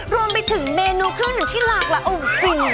รวมไปถึงเมนูเครื่องหนึ่งที่รักแล้วโอ้โหสุดยอด